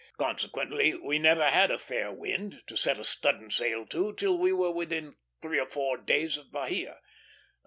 Consequently we never had a fair wind, to set a studding sail, till we were within three or four days of Bahia.